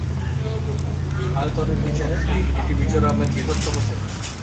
আয়তনের বিচারে এটি মিজোরামের বৃহত্তম জেলা।